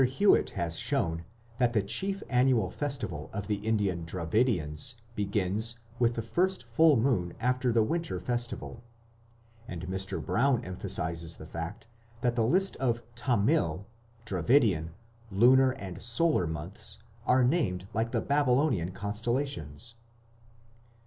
Hewitt has shown that the chief annual festival of the Indian Dravidians begins with the first full moon after the winter festival, and Mr. Brown emphasizes the fact that the list of Tamil (Dravidian) lunar and solar months are named like the Babylonian constellations.